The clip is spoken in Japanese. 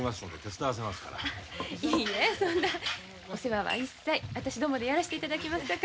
お世話は一切私どもでやらしていただきます